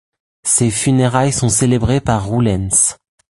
Ses funérailles sont célébrées par Roelens.